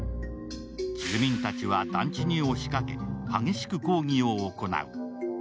住民たちは団地に押しかけ、激しく抗議を行う。